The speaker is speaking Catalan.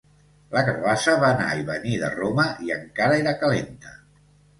La carabassa va anar i venir de Roma i encara era calenta.